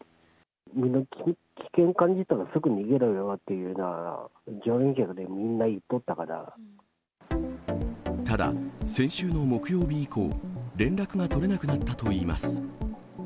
身の危険感じたら、すぐ逃げろよって、ただ、先週の木曜日以降、連絡が取れなくなったといいます。